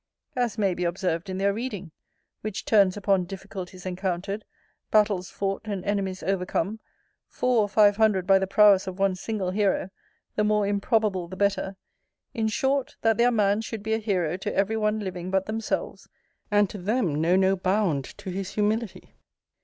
As may be observed in their reading; which turns upon difficulties encountered, battles fought, and enemies overcome, four or five hundred by the prowess of one single hero, the more improbable the better: in short, that their man should be a hero to every one living but themselves; and to them know no bound to his humility.